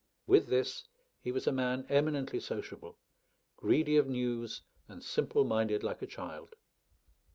With this, he was a man eminently sociable, greedy of news, and simple minded like a child.